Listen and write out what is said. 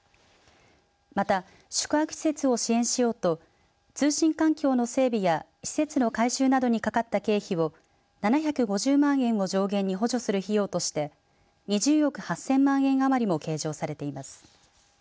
また、宿泊施設を支援しようと通信環境の整備や施設の改修などにかかった経費を７５０万円を上限に補助する費用として２０億８０００万円余りも計上されています。